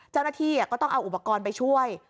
เจ้าหน้าที่ก็ต้องเอาอุปกรณ์ไปช่วย